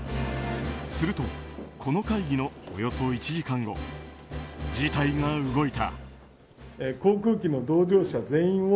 するとこの会議のおよそ１時間後事態が動いた。